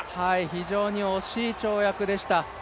非常に惜しい跳躍でした。